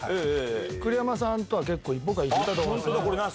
栗山さんとは結構僕は行ったと思いますね。